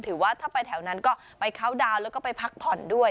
ถือว่าถ้าไปแถวนั้นก็ไปเคาน์ดาวน์แล้วก็ไปพักผ่อนด้วย